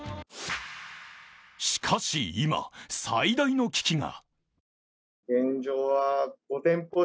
しかし今、最大の危機が。